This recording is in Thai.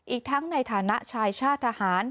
อีกทั้งในฐานะชายชาติทหาร